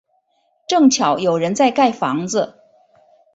正巧有人在盖房子